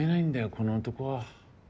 この男は。